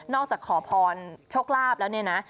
จากขอพรโชคลาภแล้วเนี่ยนะ